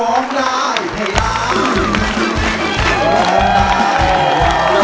ร้องได้ให้ร้อง